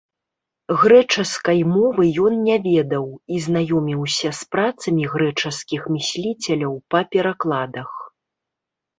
Грэчаскай мовы ён не ведаў і знаёміўся з працамі грэчаскіх мысліцеляў па перакладах.